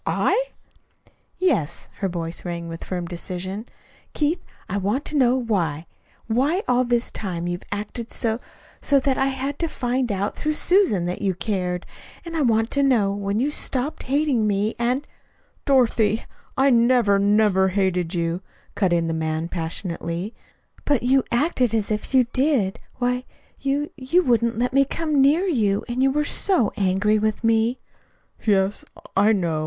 "I?" "Yes." Her voice rang with firm decision. "Keith, I want to know why why all this time you've acted so so that I had to find out through Susan that you cared. And I want to know when you stopped hating me. And " "Dorothy I never, never hated you!" cut in the man passionately. "But you acted as if you did. Why, you you wouldn't let me come near you, and you were so angry with me." "Yes, I know."